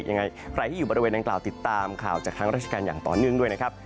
ยังไงใครที่อยู่บริเวณดังกล่าวติดตามข่าวจากทางราชการอย่างต่อเนื่องด้วยนะครับ